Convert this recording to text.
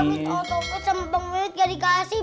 alwin otopet sama bang mehmet gak dikasih